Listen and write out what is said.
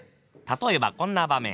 例えばこんな場面。